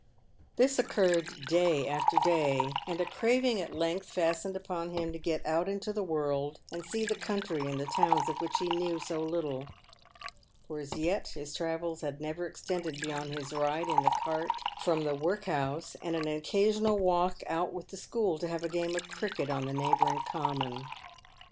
This occurred day after day, and a craving at length fastened upon him to get out into the world and see the country and the towns of which he knew so little ; for as yet his travels had never extended be yond his ride in the cart from the workhouse, and an occasional walk out with the school to have a game of cricket on the neigh bouring common.